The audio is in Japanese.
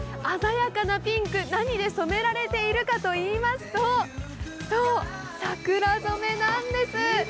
鮮やかなピンク、何で染められているかといいますとそう、桜染めなんです。